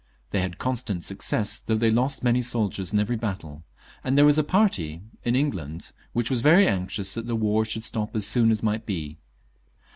They had constant success, though they lost many soldiers in every battle, and there was a party in England which was very anxious that the war should stop as soon as might be.